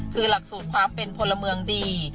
คือหลักสูตรความเป็นพลเมืองดี